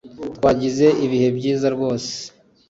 Twagize ibihe byiza rwose